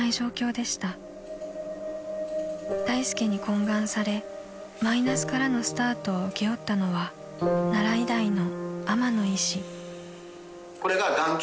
［大助に懇願されマイナスからのスタートを請け負ったのは奈良医大の天野医師］